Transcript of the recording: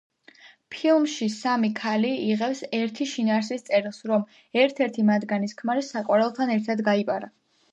ფილმში სამი ქალი იღებს ერთი შინაარსის წერილს, რომ ერთ-ერთი მათგანის ქმარი საყვარელთან ერთად გაიპარა.